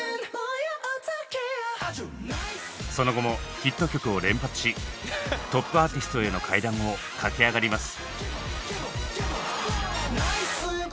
その後もヒット曲を連発しトップアーティストへの階段を駆け上がります。